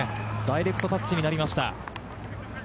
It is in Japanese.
ダイレクトタッチになりました。